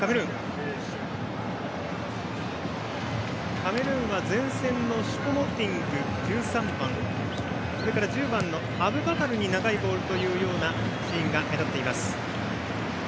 カメルーンは前線のシュポモティング、１３番それから１０番のアブバカルに長いボールというシーンが目立っています。